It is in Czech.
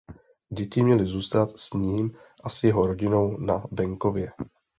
Děti měly zůstat s ním a s jeho rodinou na venkově.